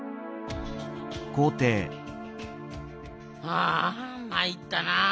あまいったな。